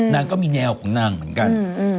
นางก็มีแนวของนางเหมือนกัน